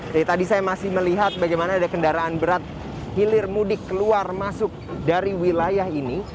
jadi tadi saya masih melihat bagaimana ada kendaraan berat hilir mudik keluar masuk dari wilayah ini